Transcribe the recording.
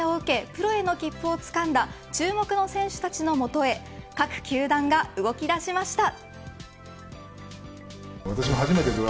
プロへ切符をつかんだ注目の選手たちのもとへ各球団が動きだしました。